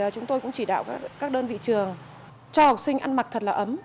chúng tôi cũng chỉ đạo các đơn vị trường cho học sinh ăn mặc thật là ấm